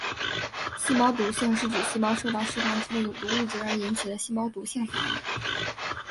细胞毒性是指细胞受到释放出的有毒物质而引起的细胞毒性反应。